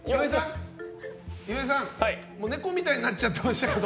岩井さん、ネコみたいになっちゃってましたけど。